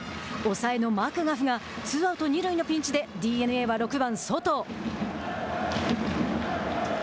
抑えのマクガフがツーアウト、二塁のピンチでＤｅＮＡは６番ソト。